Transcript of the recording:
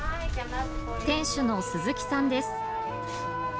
店主の鈴木さんです。